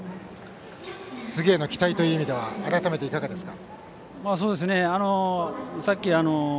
次への期待という意味では改めていかがですか。